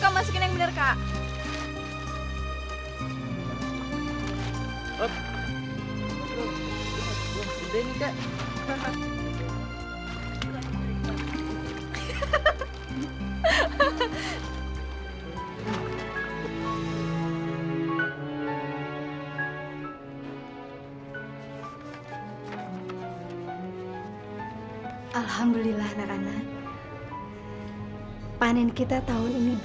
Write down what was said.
terima kasih ya bu berkat ibu kami bisa melewati cobaan ini bu